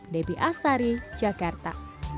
debbie astari jakarta